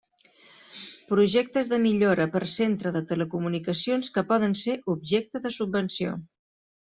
Projectes de millora per centre de telecomunicacions que poden ser objecte de subvenció.